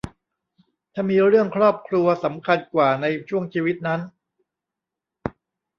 ถ้ามีเรื่องครอบครัวสำคัญกว่าในช่วงชีวิตนั้น